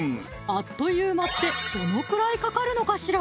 あっという間ってどのくらいかかるのかしら？